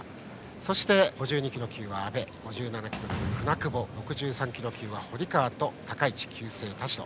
そして、５２キロ級は阿部５７キロ級、舟久保６３キロ級は堀川と高市、旧姓は田代。